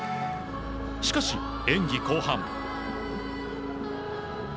しかし、演技後半。